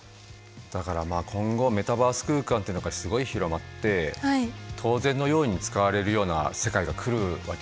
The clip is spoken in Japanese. だから今後メタバース空間ってのがすごい広まって当然のように使われるような世界が来るわけじゃない。